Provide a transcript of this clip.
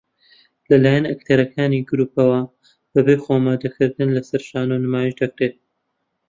لە لایەن ئەکتەرەکانی گرووپەوە بەبێ خۆئامادەکردن لەسەر شانۆ نمایش دەکرێن